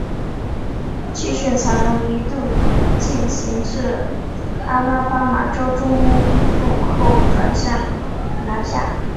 气旋残留一度行进至阿拉巴马州中部后转向南下。